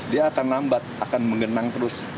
dia akan lambat akan menggenang terus